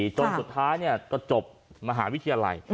จนสุดท้ายก็จบมหาวิทยาลัย